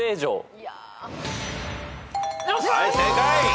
はい正解。